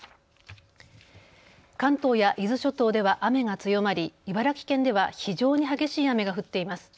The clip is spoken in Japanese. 関東や伊豆諸島では雨が強まり茨城県では非常に激しい雨が降っています。